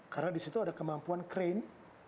karena di situ ada kemampuan crane